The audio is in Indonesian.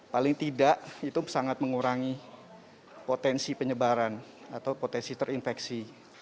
paling tidak itu sangat mengurangi potensi penyebaran atau potensi terinfeksi